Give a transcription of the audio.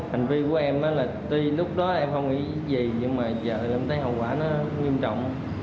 hành vi của em là tuy lúc đó em không ý gì nhưng mà giờ em thấy hậu quả nó nghiêm trọng